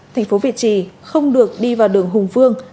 thành phố việt trì không được đi vào đường hùng vương